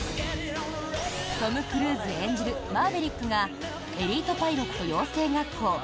トム・クルーズ演じるマーヴェリックがエリートパイロット養成学校